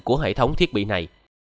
của hệ thống thiết bị này